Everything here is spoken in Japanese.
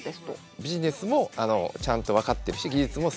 ビジネスもちゃんと分かってるし技術もすごいと。